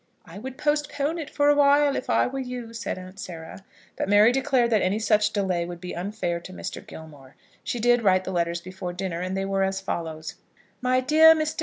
"I would postpone it for awhile, if I were you," said Aunt Sarah. But Mary declared that any such delay would be unfair to Mr. Gilmore. She did write the letters before dinner, and they were as follows: MY DEAR MR.